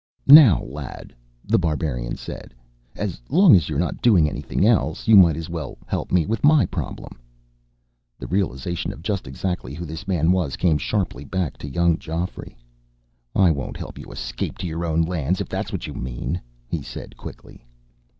"Now, lad," The Barbarian said, "as long as you're not doing anything else, you might as well help me with my problem." The realization of just exactly who this man was came sharply back to young Geoffrey. "I won't help you escape to your own lands, if that's what you mean," he said quickly.